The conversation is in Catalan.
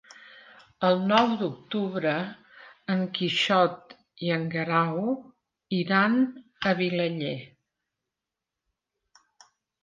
El nou d'octubre en Quixot i en Guerau iran a Vilaller.